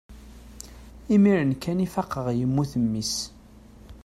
imir-n kan i faqeɣ yemmut mmi-s